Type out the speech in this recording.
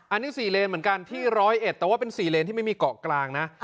อันนี้๔เลนเหมือนกันที่๑๐๑แต่ว่าเป็น๔เลนที่ไม่มีเกาะกลางนะ